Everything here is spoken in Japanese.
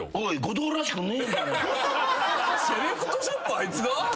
あいつが？」